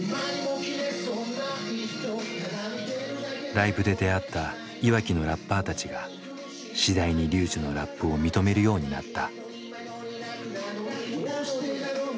ライブで出会ったいわきのラッパーたちが次第にＲＹＵＪＩのラップを認めるようになった。